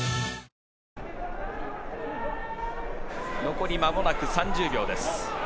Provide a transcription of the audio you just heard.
残りまもなく３０秒です。